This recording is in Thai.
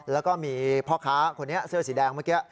แล้วก็มีพ่อค้าคนนี้เสื้อสีแดงเมื่อกี้